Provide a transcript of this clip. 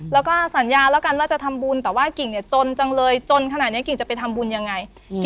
แล้วก็สัญญาแล้วกันว่าจะทำบุญแต่ว่ากิ่งเนี่ยจนจังเลยจนขนาดนี้กิ่งจะไปทำบุญยังไง